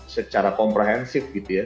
secara komprehensif gitu ya